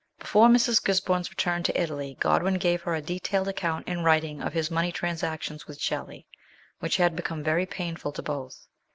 Before Mrs. Gisborne's return to Italy Godwin gave her a detailed account, in writing, of his money transactions with Shelley, which had become very painful to both.